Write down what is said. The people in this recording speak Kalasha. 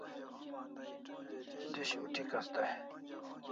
Dish ut'ikas day